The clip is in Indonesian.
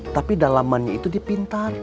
tapi dalamannya itu dia pintar